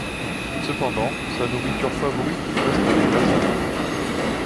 Cependant, sa nourriture favorite reste les lasagnes.